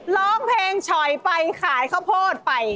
ร้องเพลงฉอยไปขายข้าวโพดไป